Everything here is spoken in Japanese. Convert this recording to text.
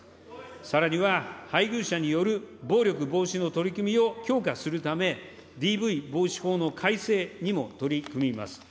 さらには、配偶者による暴力防止の取り組みを強化するため、ＤＶ防止法の改正にも取り組みます。